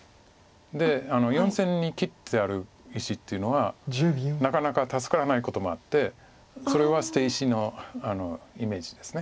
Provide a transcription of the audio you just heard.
で４線に切ってある石っていうのはなかなか助からないこともあってそれは捨て石のイメージです。